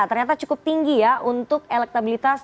ternyata cukup tinggi ya untuk elektabilitas